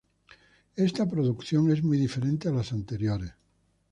Esta producción es muy diferente a las anteriores.